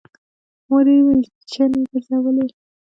مور يې مېچنې ګرځولې